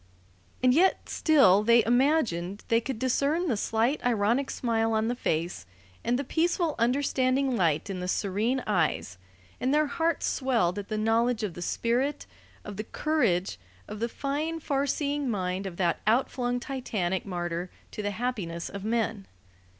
And yet still they imagined they could discern the slight ironic smile on the face, and the peaceful, understanding light in the serene eyes; and their hearts swelled at the knowledge of the spirit, of the courage, of the fine, far seeing mind of that outflung titanic martyr to the happiness of men.